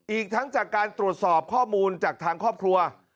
อีกทั้งจากการตรวจสอบข้อมูลจากทางครอบครัว